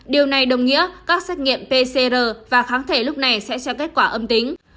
điều này đồng nghĩa các xét nghiệm pcr và kháng thể lúc này sẽ cho kết quả âm tính